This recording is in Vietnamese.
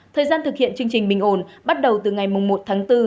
thời gian thực hiện chương trình bình ổn bắt đầu từ ngày một tháng bốn